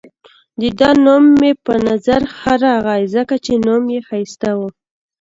د ده نوم مې په نظر ښه راغلی، ځکه چې نوم يې ښایسته وو.